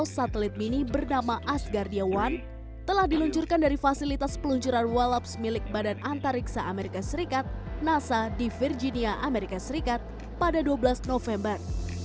sains dua ribu tujuh belas diluncurkan dari fasilitas peluncuran wallops milik badan antariksa amerika serikat nasa di virginia amerika serikat pada dua belas november